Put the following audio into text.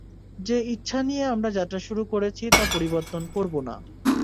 যে ইচ্ছা নিয়ে আমরা যাত্রা করেছি তা পরিবর্তন করব না।